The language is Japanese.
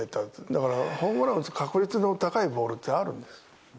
だからホームラン打つ確率の高いボールってあるんですよ。